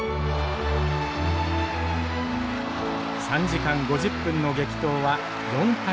３時間５０分の激闘は４対３。